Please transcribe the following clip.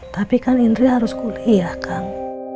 tapi kan indri harus kuliah kang